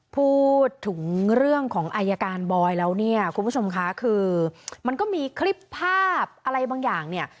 พูดถึงเรื่องของอายการบอยแล้วเนี่ยคุณผู้ชมค่ะคือมันก็มีคลิปภาพอะไรบางอย่างเนี่ย